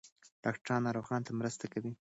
ډاکټران ناروغانو ته مرسته کوي.